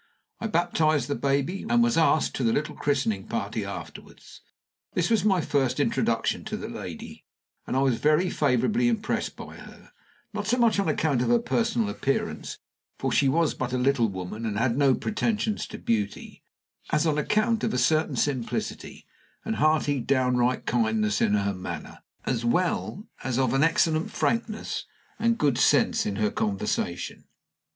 I baptized the baby, and was asked to the little christening party afterward. This was my first introduction to the lady, and I was very favorably impressed by her; not so much on account of her personal appearance, for she was but a little woman and had no pretensions to beauty, as on account of a certain simplicity, and hearty, downright kindness in her manner, as well as of an excellent frankness and good sense in her conversation.